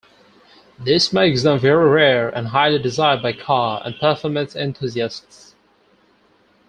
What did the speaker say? This makes them very rare and highly desired by car and performance enthusiasts.